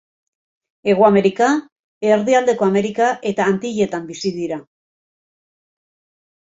Hego Amerika, Erdialdeko Amerika eta Antilletan bizi dira.